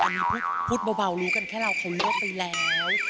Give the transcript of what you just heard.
อันนี้พูดเบารู้กันแค่เราเคารพไปแล้ว